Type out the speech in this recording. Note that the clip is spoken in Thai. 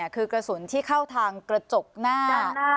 คือกระสุนที่เข้าทางกระจกหน้า